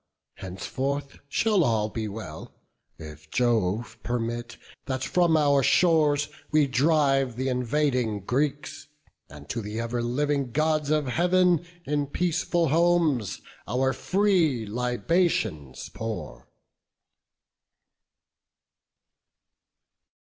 Henceforth shall all be well, if Jove permit That from our shores we drive th' invading Greeks, And to the ever living Gods of Heav'n In peaceful homes our free libations pour."